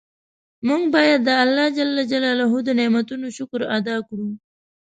مونږ باید د الله ج د نعمتونو شکر ادا کړو.